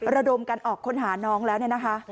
ระดมการออกคนหาน้องแล้วนะคะ